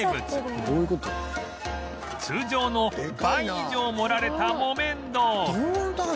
通常の倍以上盛られた木綿豆腐